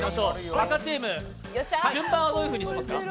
赤チーム、順番はどういうふうにしますか？